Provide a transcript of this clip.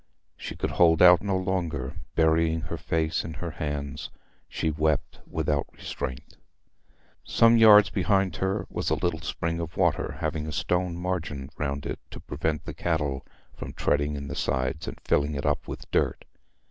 She could hold out no longer; burying her face in her hands, she wept without restraint. Some yards behind her was a little spring of water, having a stone margin round it to prevent the cattle from treading in the sides and filling it up with dirt.